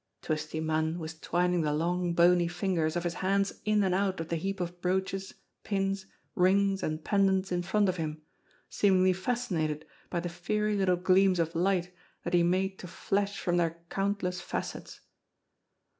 Twisty Munn was twining the long, bony fingers of his hands in and out of the heap of brooches, pins, rings and pendants in front of him, seemingly fascinated by the fiery little gleams of light that he made to flash from their count less facets.